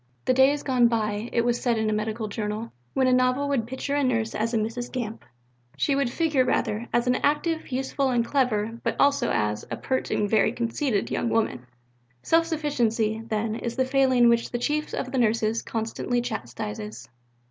The day is gone by, it was said in a medical journal, when a novel would picture a Nurse as a Mrs. Gamp; she would figure, rather, as active, useful, and clever, but also as "a pert and very conceited young woman." Self sufficiency, then, is the failing which the Chief of the Nurses constantly chastises.